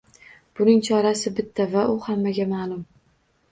Buning chorasi bitta va u hammaga ma’lum.